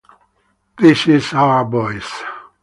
This is our voice.